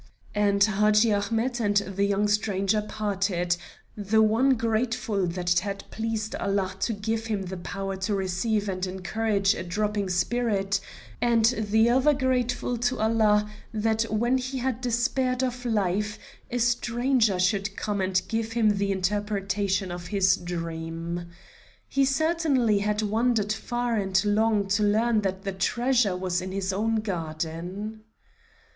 And Hadji Ahmet and the young stranger parted, the one grateful that it had pleased Allah to give him the power to revive and encourage a drooping spirit, and the other grateful to Allah that when he had despaired of life a stranger should come and give him the interpretation of his dream. He certainly had wandered far and long to learn that the treasure was in his own garden.